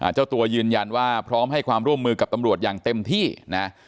เจ้าตัวยืนยันว่าพร้อมให้ความร่วมมือกับตำรวจอย่างเต็มที่นะ